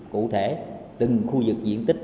cụ thể từng khu vực diện tích